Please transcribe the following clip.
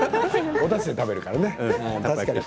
おだしで食べるからね。